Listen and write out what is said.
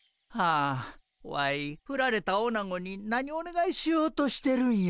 あワイふられたオナゴに何おねがいしようとしてるんや。